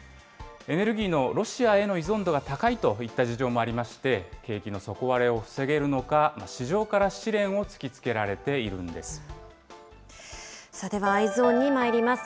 エネルギーのロシアへの依存度が高いといった事情もありまして、景気の底割れを防げるのか、市場から試練を突きつけられているんではＥｙｅｓｏｎにまいります。